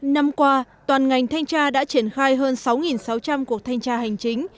năm qua toàn ngành thanh tra đã triển khai hơn sáu sáu trăm linh cuộc thanh tra hành chính